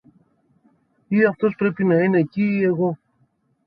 Ή αυτός πρέπει να είναι κει ή εγώ.